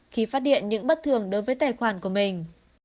khi phát điện những bất thường đối với tài khoản của mình